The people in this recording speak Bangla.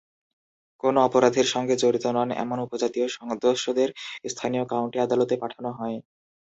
কোনো অপরাধের সঙ্গে জড়িত নন এমন উপজাতীয় সদস্যদের স্থানীয় কাউন্টি আদালতে পাঠানো হয়।